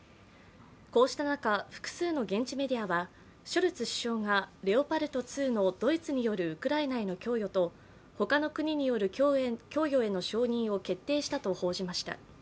こうした中、複数の現地メディアはショルツ首相がレオパルト２のドイツによるウクライナへの供与と他の国による供与への承認を決定したと報じました。